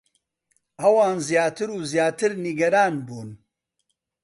ئەوان زیاتر و زیاتر نیگەران بوون.